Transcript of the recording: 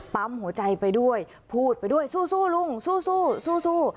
ปั๊มหัวใจไปด้วยพูดไปด้วยสู้ลุงสู้สู้